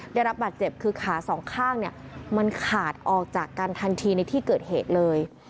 ได้รับบาดเจ็บคือขาสองข้างมันขาดออกจากกันทันทีในที่เกิดเหตุเลย